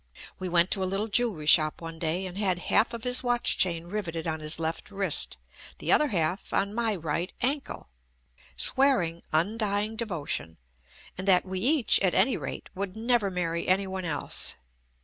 We went to a little jewelry shop one day and had half of his watch chain rivet ed on his left wrist, the other half on my right ankle, swearing undying devotion, and that we each, at any rate, would never marry any one else.